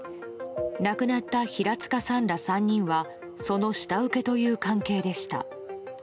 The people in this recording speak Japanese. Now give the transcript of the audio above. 亡くなった平塚さんら３人はその下請けという関係でした。